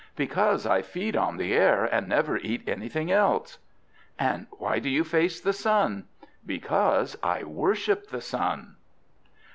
"Because I feed on the air, and never eat anything else." "And why do you face the sun?" "Because I worship the sun."